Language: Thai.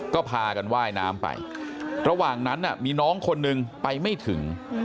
ก็พากันว่ายน้ำไประหว่างนั้นมีน้องคนนึงไปไม่ถึง